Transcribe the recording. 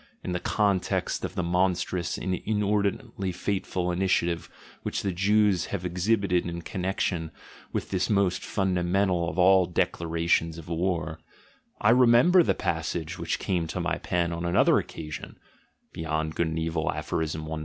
In the context of the monstrous and inordinately fateful initiative which the Jews have exhibited in connection with this most funda mental of all declarations of war, I remember the passage which came to my pen on another occasion (Beyond Good and Evil, Aph.